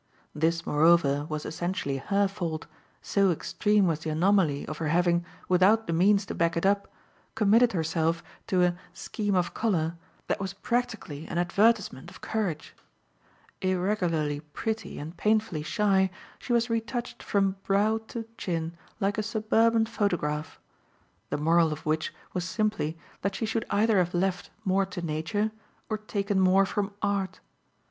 This moreover was essentially her fault, so extreme was the anomaly of her having, without the means to back it up, committed herself to a "scheme of colour" that was practically an advertisement of courage. Irregularly pretty and painfully shy, she was retouched from brow to chin like a suburban photograph the moral of which was simply that she should either have left more to nature or taken more from art.